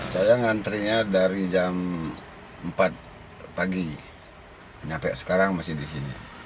saya ngantrinya dari jam empat pagi sampai sekarang masih di sini